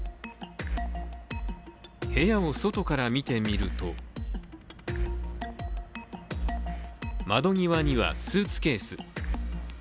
部屋を外から見てみると窓際にはスーツケース。